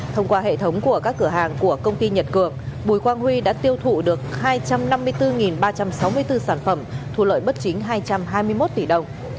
thông qua hệ thống của các cửa hàng của công ty nhật cường bùi quang huy đã tiêu thụ được hai trăm năm mươi bốn ba trăm sáu mươi bốn sản phẩm thu lợi bất chính hai trăm hai mươi một tỷ đồng